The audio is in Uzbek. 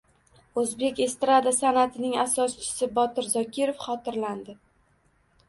O‘zbek estrada san’atining asoschisi Botir Zokirov xotirlandi